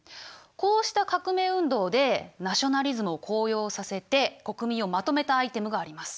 こうした革命運動でナショナリズムを高揚させて国民をまとめたアイテムがあります。